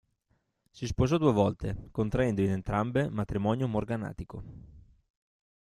Si sposò due volte, contraendo in entrambe matrimonio morganatico.